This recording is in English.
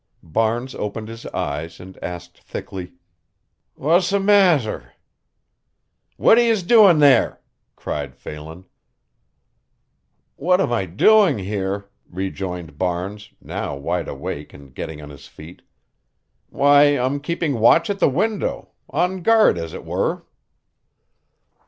Barnes opened his eyes and asked thickly: "Wassa masser." "What are yez doin' there?" cried Phelan. "What am I doing here," rejoined Barnes, now wide awake and getting on his feet. "Why, I'm keeping watch at the window on guard as it were."